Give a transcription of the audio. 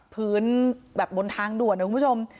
พื้นแบบบนทางด่วนนะคุณผู้ชม